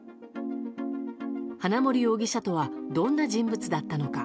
花森容疑者とはどんな人物だったのか。